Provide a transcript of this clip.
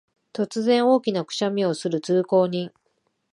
突然、大きなくしゃみをする通行人